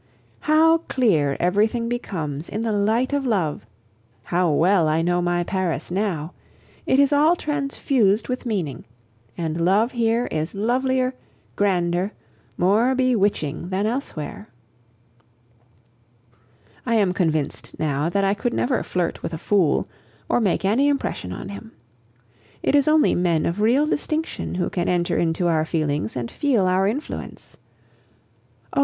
How clear everything becomes in the light of love! How well I know my Paris now! It is all transfused with meaning. And love here is lovelier, grander, more bewitching than elsewhere. I am convinced now that I could never flirt with a fool or make any impression on him. It is only men of real distinction who can enter into our feelings and feel our influence. Oh!